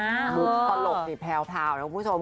มุมตลกสิแพรวนะคุณผู้ชม